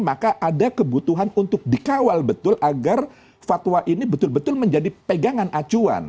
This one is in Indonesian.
maka ada kebutuhan untuk dikawal betul agar fatwa ini betul betul menjadi pegangan acuan